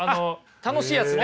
楽しいやつね。